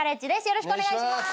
よろしくお願いします。